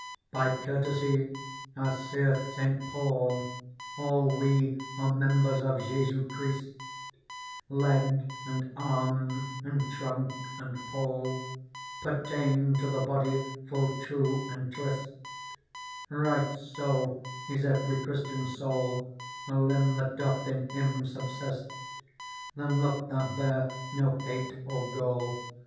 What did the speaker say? " By courtesy, as saith St. Paul, All we are members of Jesu Christ ; Leg and arm and trunk and poll Pertain to the body full true and tryst ; Right so is every Christian soul A limb that doth in Him subsist ; Then look thou bear no hate or gall.